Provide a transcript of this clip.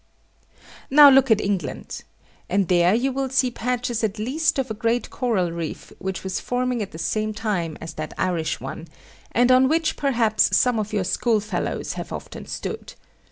Now look at England, and there you will see patches at least of a great coral reef which was forming at the same time as that Irish one, and on which perhaps some of your schoolfellows have often stood.